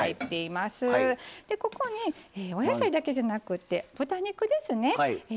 でここにお野菜だけじゃなくて豚肉ですね。